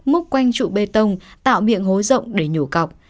múc quanh trụ bê tông tạo miệng hố rộng để nhổ cọc